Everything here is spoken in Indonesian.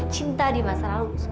cinta di masa lalu